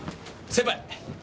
先輩！